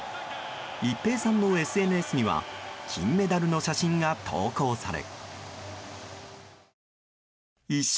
一平さんのＳＮＳには金メダルの写真が投稿され。